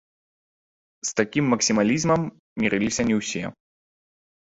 З такім максімалізмам мірыліся не ўсе.